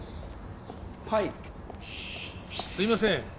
はいすいません